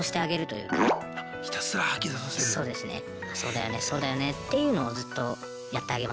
そうだよねっていうのをずっとやってあげますね。